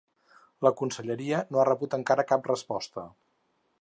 La conselleria no ha rebut encara cap resposta.